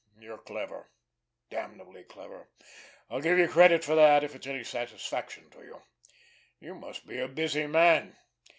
You're clever, damnably clever, I'll give you credit for that, if it's any satisfaction to you. You must be a busy man!